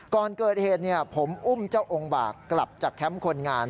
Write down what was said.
ก่อนเกิดเหตุผมอุ้มเจ้าองค์บากกลับจากแคมป์คนงาน